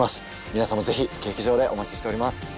皆さまぜひ劇場でお待ちしております。